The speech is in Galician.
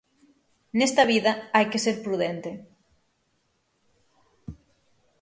Nesta vida hai que ser prudente.